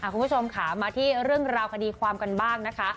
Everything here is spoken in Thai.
คุณผู้ชมค่ะมาที่เรื่องราวคดีความกันบ้างนะคะ